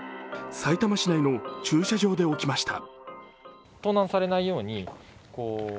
さいたま市内の駐車場で起きました。